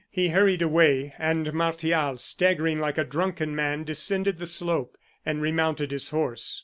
He hurried away, and Martial, staggering like a drunken man, descended the slope, and remounted his horse.